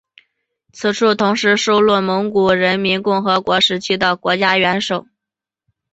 此处同时收录蒙古人民共和国时期的国家元首。